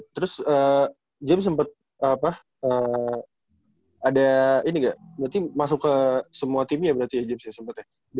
terus james sempet apa ada ini gak berarti masuk ke semua team nya berarti ya james ya sempet ya